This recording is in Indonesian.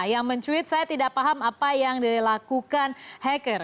yang mencuit saya tidak paham apa yang dilakukan hacker